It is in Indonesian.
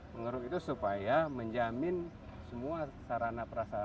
mengeruk itu supaya menjamin semua sarana perasarana